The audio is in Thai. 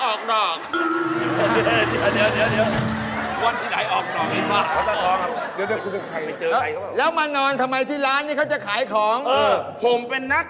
อ่ะก็มาเรียนภาษาไทยที่วัดธาตุภอง